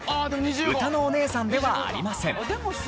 うたのおねえさんではありません。